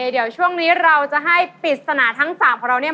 เดี๋ยวช่วงนี้เราจะให้ปริศนาทั้ง๓ของเราเนี่ย